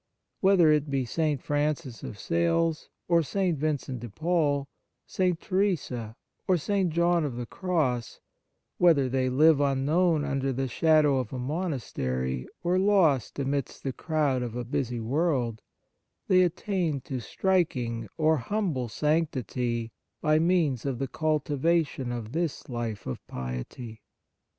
Whether it be St. Francis of Sales or St. Vincent de Paul, St. Theresa or St. John of the Cross, whether they live unknown under the shadow of a monastery or lost amidst the crowd of a busy world, they attain to striking or humble sanctity by means of the cultivation 30 The Nature of Piety of this life of piety.